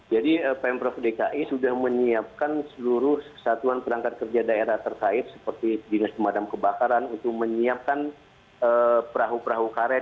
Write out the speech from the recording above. jadi pm prof dki sudah menyiapkan seluruh kesatuan perangkat kerja daerah terkait seperti dinas pemadam kebakaran untuk menyiapkan perahu perahu karet